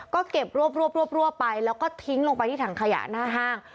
ก็เก็บรวบไปแล้วก็ทิ้งลงไปที่ถังขยะหน้าห้าง